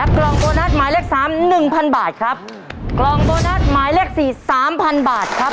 กล่องโบนัสหมายเลขสามหนึ่งพันบาทครับกล่องโบนัสหมายเลขสี่สามพันบาทครับ